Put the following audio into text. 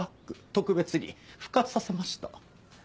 特別に復活させました。